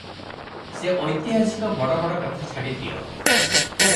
ସେ ଐତିହାସିକ ବଡ଼ ବଡ଼ କଥା ଛାଡ଼ିଦିଅ ।